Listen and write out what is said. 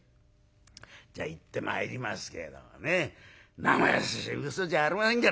「じゃあ行ってまいりますけれどもねなまやさしい嘘じゃありませんから。